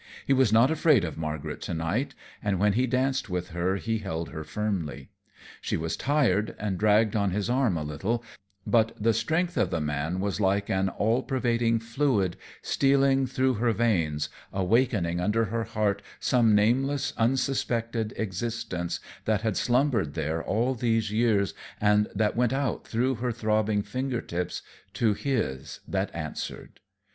He was not afraid of Margaret to night, and when he danced with her he held her firmly. She was tired and dragged on his arm a little, but the strength of the man was like an all pervading fluid, stealing through her veins, awakening under her heart some nameless, unsuspected existence that had slumbered there all these years and that went out through her throbbing fingertips to his that answered.